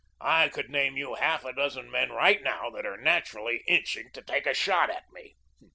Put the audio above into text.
I could name you half a dozen men right now that are naturally itching to take a shot at me.